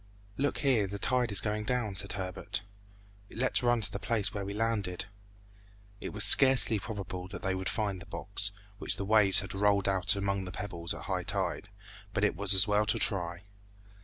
"Look here, the tide is going down," said Herbert; "let's run to the place where we landed." It was scarcely probable that they would find the box, which the waves had rolled about among the pebbles, at high tide, but it was as well to try.